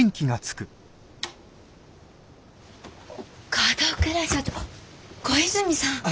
門倉社長小泉さん。